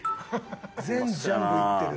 全ジャンルいってる。